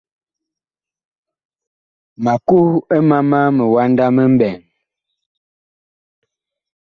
Ma kuh ɛ mama miwanda mi mɓɛɛŋ.